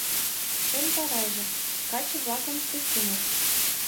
Шем тарайже — каче-влакын костюмышт.